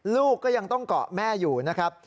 ลูกก็ยังต้องเกาะแม่อยู่นะครับ